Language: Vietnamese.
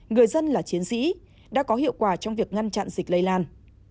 người dân là chiến sĩ đã có hiệu quả trong việc ngăn chặn dịch lây lan